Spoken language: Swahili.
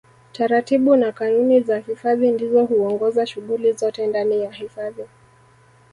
Taratibu na kanuni za hifadhi ndizo huongoza shughuli zote ndani ya hifadhi